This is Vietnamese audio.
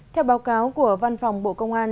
theo báo cáo của văn phòng bộ công an